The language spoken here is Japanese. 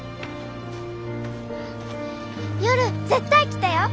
夜絶対来てよ！